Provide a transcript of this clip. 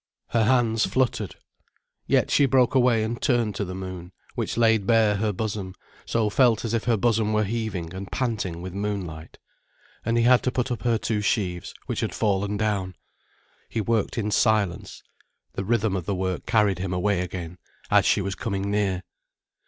Her hands fluttered. Yet she broke away, and turned to the moon, which laid bare her bosom, so she felt as if her bosom were heaving and panting with moonlight. And he had to put up her two sheaves, which had fallen down. He worked in silence. The rhythm of the work carried him away again, as she was coming near.